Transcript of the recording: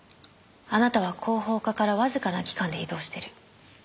あなたは広報課からわずかな期間で異動してる。